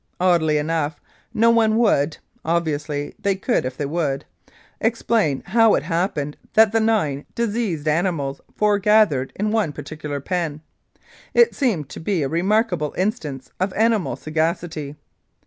Oddly enough, no one would (obviously they could if they would) explain how it happened that the nine diseased animals forgathered in one particular pen. It seemed to be a remarkable instance of animal sagacity.